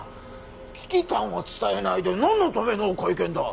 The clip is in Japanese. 危機感を伝えないで何のための会見だ！